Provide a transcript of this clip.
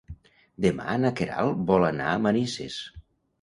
Demà na Queralt vol anar a Manises.